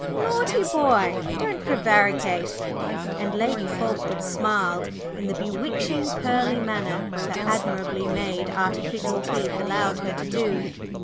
…" "Naughty boy! Don't prevaricate!" and Lady Fulkeward smiled in the bewitching pearly manner her admirably made artificial teeth allowed her to do.